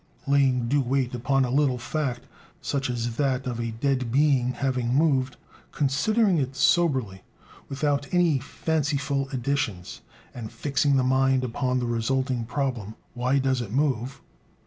Laying due weight upon a little fact, such as that of a dead being having moved, considering it soberly without any fanciful additions, and fixing the mind upon the resulting problem: Why does it move?